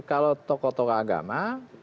kalau tokoh tokoh agama